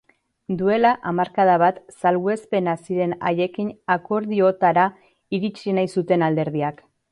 Duela hamarkada bat salbuespena ziren haiekin akordiotara iritsi nahi zuten alderdiak.